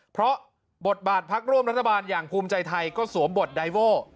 เพราะบทบาทพักร่วมรัฐบาลอย่างภูมิใจไทยก็สวมบทไดโว่